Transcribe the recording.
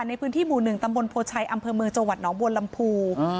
ในพื้นที่หมู่๑ตำบลโพชัยอำเภอเมืองจังหวัดหนองบัวลำพู